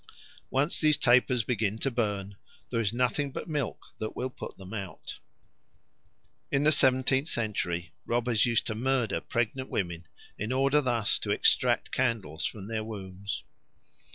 Once these tapers begin to burn, there is nothing but milk that will put them out. In the seventeenth century robbers used to murder pregnant women in order thus to extract candles from their wombs.